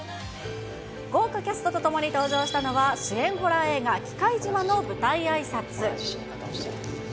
豪華キャストと共に登場したのは、主演ホラー映画、きかいじまの舞台あいさつ。